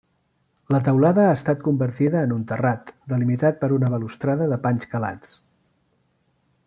La teulada ha estat convertida en un terrat, delimitat per una balustrada de panys calats.